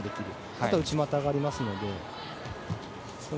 あとは内股がありますので。